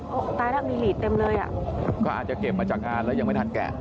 โอ้โหตายแล้วมีหลีดเต็มเลยอ่ะก็อาจจะเก็บมาจากงานแล้วยังไม่ทันแกะ